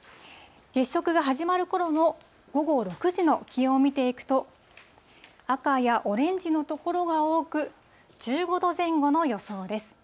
月食が始まるころの午後６時の気温を見ていくと、赤やオレンジの所が多く、１５度前後の予想です。